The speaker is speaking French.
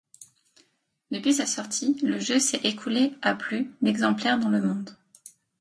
Depuis sa sortie, le jeu s'est écoulé à plus d' d'exemplaires dans le monde.